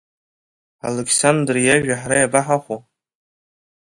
Алықьсандр иажәа ҳара иабаҳахәо?